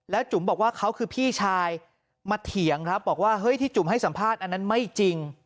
จุ๋มบอกว่าเขาคือพี่ชายมาเถียงครับบอกว่าเฮ้ยที่จุ๋มให้สัมภาษณ์อันนั้นไม่จริง